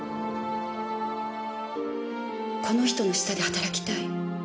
この人の下で働きたい。